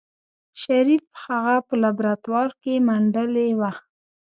شريف هغه په لابراتوار کې منډلې وه.